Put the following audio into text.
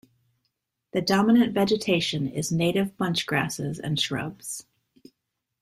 The dominant vegetation is native bunchgrasses and shrubs.